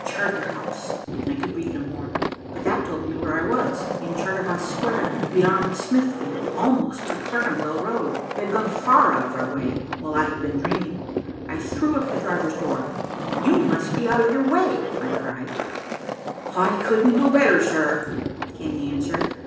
"Charterhouse." I could read no more, but that told me where I was. In Charterhouse Square, beyond Smithfield, almost to Clerkenwell Road. We had gone far out of our way, while I had been dreaming. I threw up the driver's door. "You must be out of your way," I cried. "H'I couldn't do better, sir," came the answer.